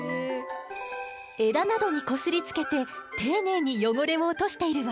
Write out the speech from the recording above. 枝などにこすりつけて丁寧に汚れを落としているわ。